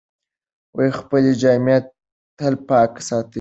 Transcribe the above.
خپلې جامې تل پاکې ساتئ.